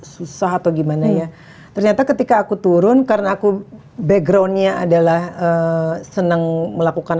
susah atau gimana ya ternyata ketika aku turun karena aku backgroundnya adalah senang melakukan